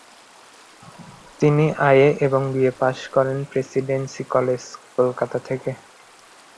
তিনি আইএ এবং বিএ পাশ করেন প্রেসিডেন্সি কলেজ, কলকাতা থেকে।